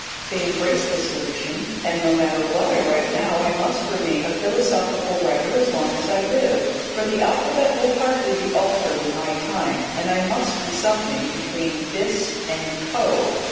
They embraced the solution, and, no matter what I write now, I must remain a philosophical writer as long as I live, for the alphabet will hardly be altered in my time, and I must be something between "Bis" and "Poe."